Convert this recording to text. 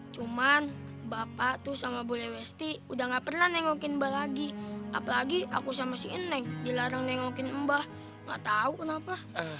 cuman bapak tuh sama bu lewesti udah gak pernah nengokin mbak lagi apalagi aku sama si neng dilarang nengokin mbah gak tahu kenapa